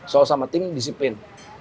selalu sama tim disiplin